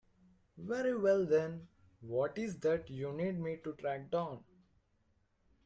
Very well then, what is it that you need me to track down?